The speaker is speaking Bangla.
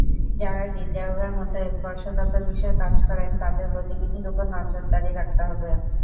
যাঁরা রিজার্ভের মতো স্পর্শকাতর বিষয়ে কাজ করেন, তাঁদের গতিবিধির ওপর নজরদারি রাখতে হবে।